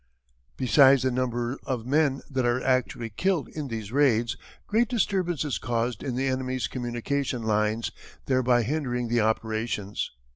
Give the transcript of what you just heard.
"Besides the number of men that are actually killed in these raids, great disturbance is caused in the enemy's communication lines, thereby hindering the operations.